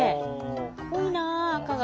濃いなあ赤が。